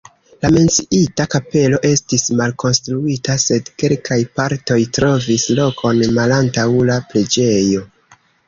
La menciita kapelo estis malkonstruita, sed kelkaj partoj trovis lokon malantaŭ la preĝejo.